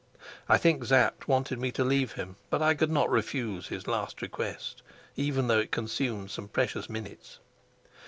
I think Sapt wanted me to leave him, but I could not refuse his last request, even though it consumed some precious minutes.